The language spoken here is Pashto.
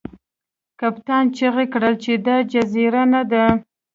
کپتان چیغې کړې چې دا جزیره نه ده.